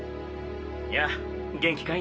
やぁ元気かい？